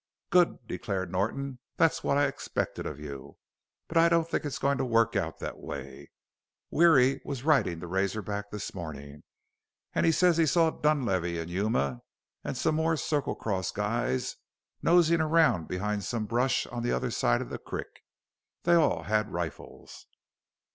"Good!" declared Norton. "That's what I expected of you. But I don't think it's goin' to work out that way. Weary was ridin' the Razor Back this mornin' and he says he saw Dunlavey an' Yuma and some more Circle Cross guys nosin' around behind some brush on the other side of the creek. They all had rifles."